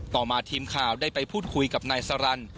ต่อมาทีมข่าวได้ไปพูดคุยกับนายสรรค